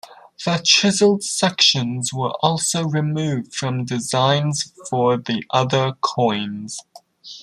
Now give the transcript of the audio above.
The chiseled sections were also removed from designs for the other coins.